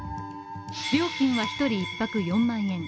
料金は１人１泊４万円